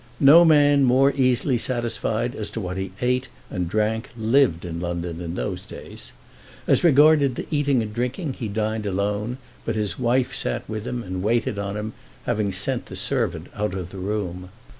No man more easily satisfied as to what he eat and drank lived in London in those days. As regarded the eating and drinking he dined alone, but his wife sat with him and waited on him, having sent the servant out of the room.